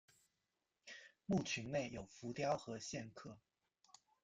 墓群内有浮雕和线刻。